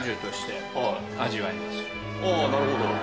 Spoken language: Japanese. ああなるほど。